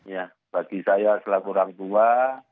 ya bagi saya selama kurang tua